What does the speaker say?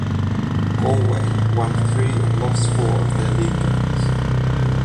Galway won three and lost four of their League games.